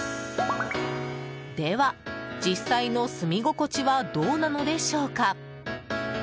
では、実際の住み心地はどうなのでしょうか？